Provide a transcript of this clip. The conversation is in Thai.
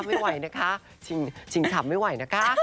ไม่ไหวนะคะชิงฉ่ำไม่ไหวนะคะ